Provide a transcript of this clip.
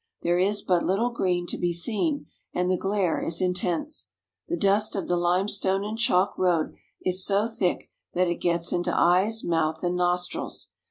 There is but little green to be seen and the glare is in tense. The dust of the limestone and chalk road is so thick that it gets into eyes, mouth, and nostrils.